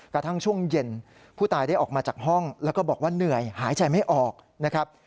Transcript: กระทั่งช่วงเย็นผู้ตายได้ออกมาจากห้องแล้วก็บอกว่าเหนื่อยหายใจไม่ออกนะครับ